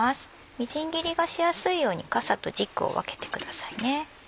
みじん切りがしやすいようにかさと軸を分けてくださいね。